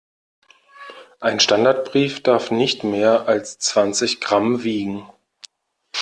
Ein Standardbrief darf nicht mehr als zwanzig Gramm wiegen.